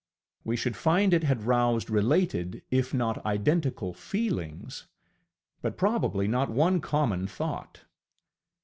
We should find it had roused related, if not identical, feelings, but probably not one common thought.